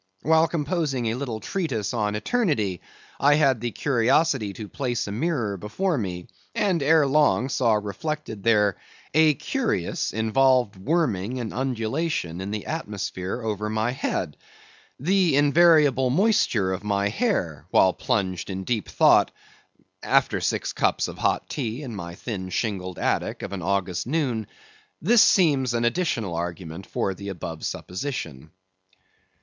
While composing a little treatise on Eternity, I had the curiosity to place a mirror before me; and ere long saw reflected there, a curious involved worming and undulation in the atmosphere over my head. The invariable moisture of my hair, while plunged in deep thought, after six cups of hot tea in my thin shingled attic, of an August noon; this seems an additional argument for the above supposition.